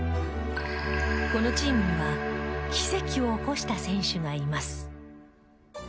このチームには奇跡を起こした選手がいます。